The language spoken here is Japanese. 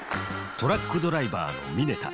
トラックドライバーの峯田。